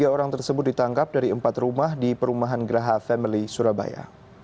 tiga orang tersebut ditangkap dari empat rumah di perumahan geraha family surabaya